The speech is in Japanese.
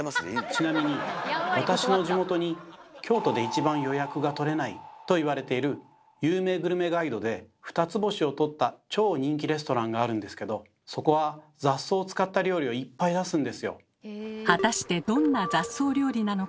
ちなみに私の地元に京都で一番予約が取れないといわれている有名グルメガイドで２つ星を取った超人気レストランがあるんですけどそこは果たしてどんな雑草料理なのか？